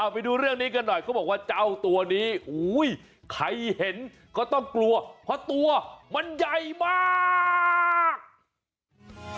ไปดูเรื่องนี้กันหน่อยเขาบอกว่าเจ้าตัวนี้ใครเห็นก็ต้องกลัวเพราะตัวมันใหญ่มาก